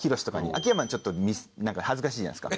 秋山にちょっと恥ずかしいじゃないですか。